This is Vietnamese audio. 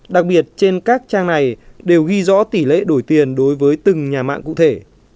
đặc biệt trên các trang này đều ghi rõ tỷ lệ đổi tiền đối với từng nhà mạng cụ thể